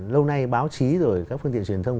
lâu nay báo chí rồi các phương tiện truyền thông